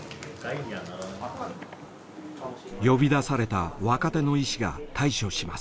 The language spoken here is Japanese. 呼び出された若手の医師が対処します。